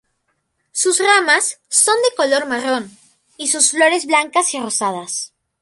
Sus ramas son de color marrón y sus flores blancas y rosadas.